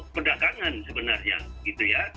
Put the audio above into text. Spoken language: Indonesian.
perdagangan sebenarnya gitu ya